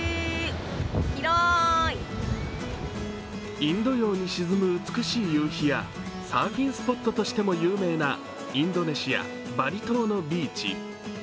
インド洋に沈む美しい夕日やサーフィンスポットとしても有名なインドネシア・バリ島のビーチ。